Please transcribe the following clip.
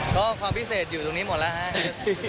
ก็ความพิเศษอยู่ตรงนี้หมดแล้วครับ